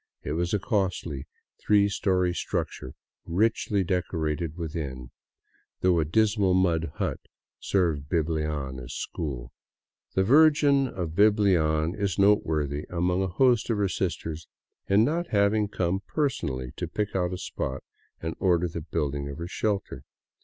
It was a costly, three story structure richly decorated within, though a dismal mud hut served Biblian as school. The Virgin of Biblian is note worthy among a host of her sisters in not having come personally to pick out a spot and order the building of her shelter.